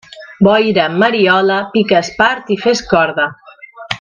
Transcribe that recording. Boira en Mariola, pica espart i fes corda.